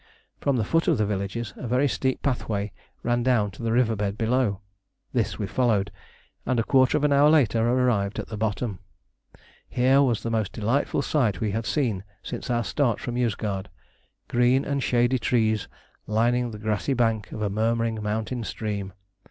From the foot of the villages a very steep pathway ran down to the river bed below. This we followed, and a quarter of an hour later arrived at the bottom. Here was the most delightful sight we had seen since our start from Yozgad: green and shady trees lining the grassy bank of a murmuring mountain stream.